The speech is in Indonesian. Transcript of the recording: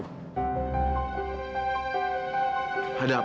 kamu bisa bercanda sama aku